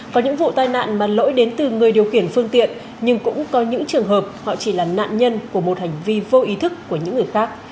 có những vụ tai nạn mà lỗi đến từ người điều khiển phương tiện nhưng cũng có những trường hợp họ chỉ là nạn nhân của một hành vi vô ý thức của những người khác